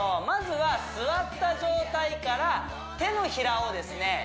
まずは座った状態から手のひらをですね